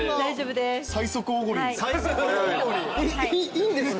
いいんですか？